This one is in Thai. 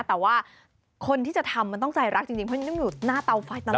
แต่ว่าคนที่จะทำมันต้องใจรักจริงเพราะยิ่งต้องอยู่หน้าเตาไฟตลอด